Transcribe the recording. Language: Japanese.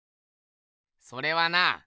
それはな